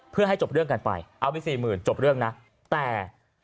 เพื่อให้จบเรื่องกันไปเอาไปสี่หมื่นจบเรื่องนะแต่